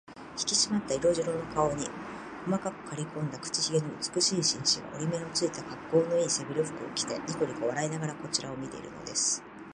ひきしまった色白の顔に、細くかりこんだ口ひげの美しい紳士が、折り目のついた、かっこうのいい背広服を着て、にこにこ笑いながらこちらを見ているのです。